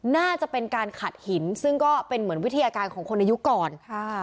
น่าจะเป็นการขัดหินซึ่งก็เป็นเหมือนวิทยาการของคนอายุก่อนค่ะ